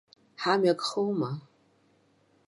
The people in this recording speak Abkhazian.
Ҳамҩа акхоума?